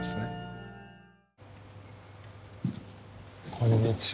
こんにちは。